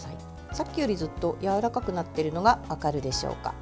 さっきよりずっとやわらかくなっているのが分かるでしょうか。